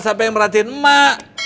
siapa yang merhatiin mak